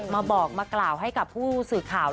มาบอกมากล่าวให้กับผู้สื่อข่าว